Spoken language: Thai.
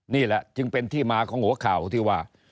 นี่แหละจึงเป็นที่มาของหัวข่าวที่ว่า